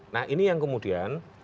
nah ini yang kemudian